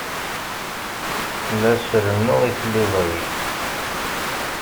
La as-rennuɣ i tliẓri.